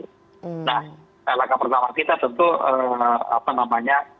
nah langkah pertama kita tentu apa namanya